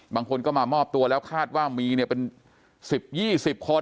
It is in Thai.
บางคนก็มามอบตัวแล้วคาดว่ามีเป็น๑๐๒๐คน